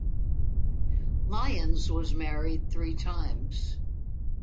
Lyons was married three times.